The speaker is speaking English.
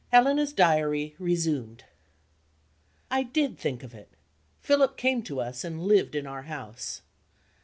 HELENA'S DIARY RESUMED. I did think of it. Philip came to us, and lived in our house.